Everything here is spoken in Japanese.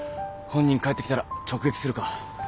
本人帰ってきたら直撃するか。